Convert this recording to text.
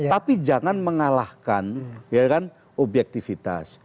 tapi jangan mengalahkan objektifitas